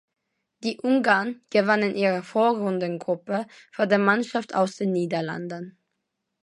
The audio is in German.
Die Ungarn gewannen ihre Vorrundengruppe vor der Mannschaft aus den Niederlanden.